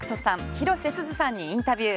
広瀬すずさんにインタビュー。